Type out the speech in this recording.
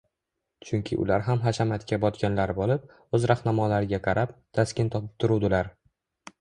Chunki ular ham hashamatga botganlar bo‘lib, o‘z rahnamolariga qarab, taskin topib turuvdilar